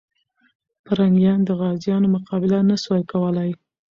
پرنګیان د غازيانو مقابله نه سوه کولای.